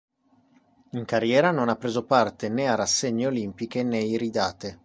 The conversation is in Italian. In carriera non ha preso parte a né a rassegne olimpiche né iridate.